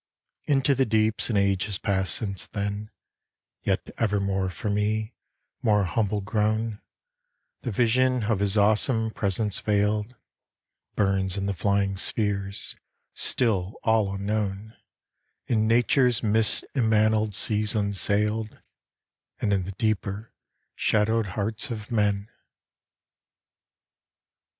Into the deeps an age has passed since then, Yet evermore for me, more humble grown, The vision of His awesome presence veiled, Burns in the flying spheres, still all unknown, In nature's mist immantled seas unsailed, And in the deeper shadowed hearts of men.